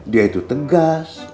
dia itu tegas lugas dan tepat